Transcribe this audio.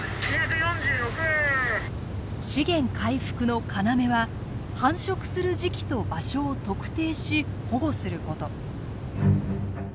資源回復の要は繁殖する時期と場所を特定し保護すること。